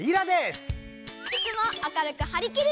いつも明るく「はりきリラ」！